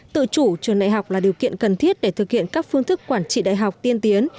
tự chủ trường đại học là điều kiện cần thiết để thực hiện các phương thức quản trị đại học tiên tiến